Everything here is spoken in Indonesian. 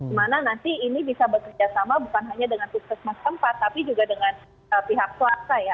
dimana nanti ini bisa bekerjasama bukan hanya dengan pusat perbelanjaan tempat tapi juga dengan pihak swasta ya